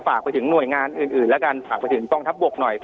ฝากไปถึงหน่วยงานอื่นแล้วกันฝากไปถึงกองทัพบกหน่อย